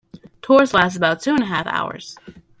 Tours last about two and a half hours.